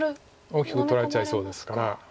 大きく取られちゃいそうですから。